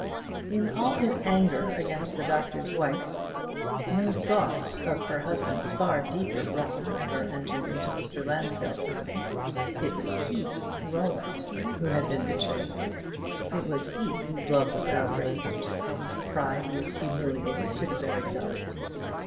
In all his anger against the Doctor's Wife, no thought of her husband's far deeper wrong ever entered into Mr. Lansdell's mind. It was he Roland who had been betrayed: it was he whose love was outraged, whose pride was humiliated to the very dust.